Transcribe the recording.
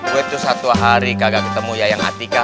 gue tuh satu hari kagak ketemu yayang hati kak